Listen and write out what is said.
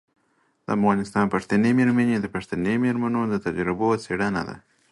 د افغانستان پښتنې میرمنې د پښتنې میرمنو د تجربو څیړنه ده.